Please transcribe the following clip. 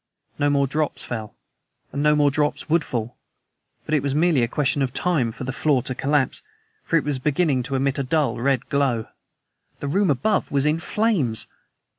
No more drops fell, and no more drops would fall; but it was merely a question of time for the floor to collapse. For it was beginning to emit a dull, red glow. The room above me was in flames!